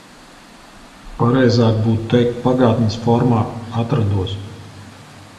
Pareizāk būtu teikt pagātnes formā – atrados.